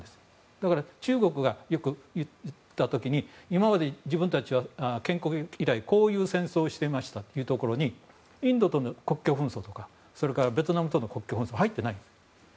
だから、よく中国が言うのは、今まで自分たちは建国以来こういう戦争をしていましたというときにインドとの国境紛争とかベトナムとの国境紛争は入っていないんです。